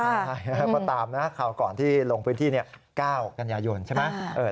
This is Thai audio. ใช่ก็ตามนะคราวก่อนที่ลงพื้นที่๙กันยายนใช่ไหม